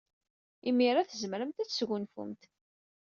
Imir-a, tzemremt ad tesgunfumt.